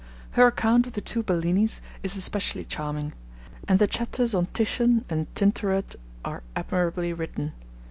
Her account of the two Bellinis is especially charming; and the chapters on Titian and Tintoret are admirably written.